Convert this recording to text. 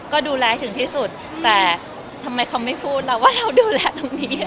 ก็ดูแลให้ถึงที่สุดแต่ทำไมเขาไม่พูดแล้วว่าเราดูแลตรงนี้